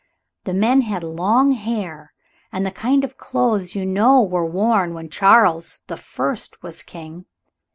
The men had long hair and the kind of clothes you know were worn when Charles the First was King.